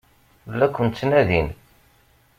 La ken-ttnadin.